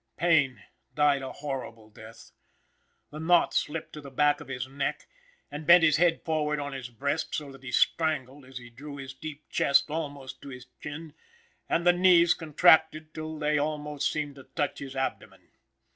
Payne died a horrible death; the knot slipped to the back of his neck, and bent his head forward on his breast, so that he strangled as he drew his deep chest almost to his chin, and the knees contracted till they almost seemed to touch his abdomen.